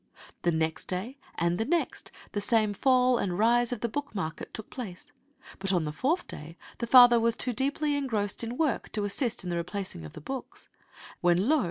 The next day, and the next, the same fall and rise in the book market took place, but on the fourth day the father was too deeply engrossed in work to assist in the replacing of the books: when, lo!